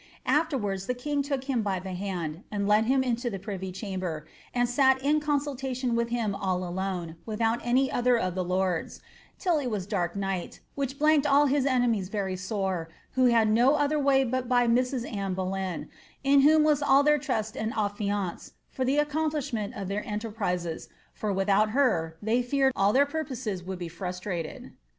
Afterwards the king took him by the hand, and led him into the privy chamber, and sat in consultation with him all alone, without any otbtf of the lords, till it was dark night, which blanked all his enemies very sore, who had no other way but by Mrs. Anne Boleyn, in whom was aU their trust and affiance, for the accomplishment of their enterprises, for without her they feared all their purposes would be frustrated."